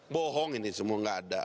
bohong ini semua nggak ada